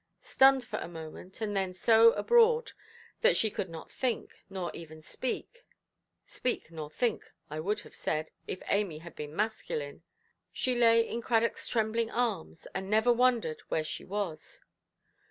Stunned for a moment, and then so abroad, that she could not think, nor even speak—"speak nor think" I would have said, if Amy had been masculine—she lay in Cradockʼs trembling arms, and never wondered where she was.